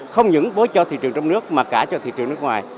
không những với cho thị trường trong nước mà cả cho thị trường nước ngoài